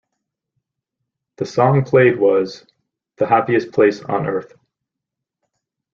The song played was "The Happiest Place on Earth".